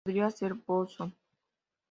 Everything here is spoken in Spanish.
Podría ser Bosón.